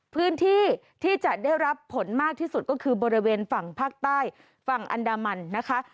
พื้นที่ที่จะได้รับผลมากที่สุดก็คือบริเวณฝั่งภาคใต้ฝั่งอันดามันนะคะ